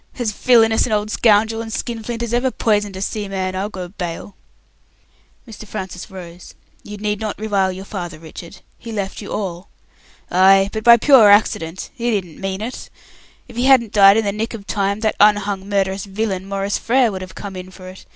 As villainous an old scoundrel and skinflint as ever poisoned a seaman, I'll go bail." Mr. Francis rose. "You need not revile your father, Richard he left you all." "Ay, but by pure accident. He didn't mean it. If he hadn't died in the nick of time, that unhung murderous villain, Maurice Frere, would have come in for it.